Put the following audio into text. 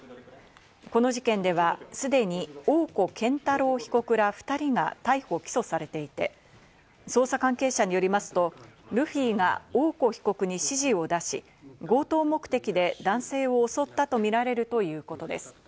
この事件ではすでに大古健太郎被告ら２人が逮捕・起訴されていて、捜査関係者によりますと、ルフィが大古被告に指示を出し、強盗目的で男性を襲ったとみられるということです。